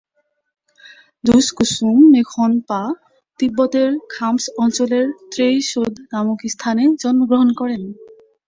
দুস-গ্সুম-ম্খ্যেন-পা তিব্বতের খাম্স অঞ্চলের ত্রে-শোদ নামক স্থানে জন্মগ্রহণ করেন।